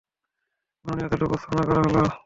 মাননীয় আদালতে উপস্থাপন করা হলো।